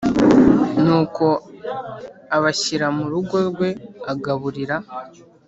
Nuko abashyira mu rugo rwe agaburira